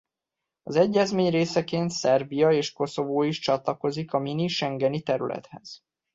Az egyezmény részeként Szerbia és Koszovó is csatlakozik a Mini Schengeni területhez.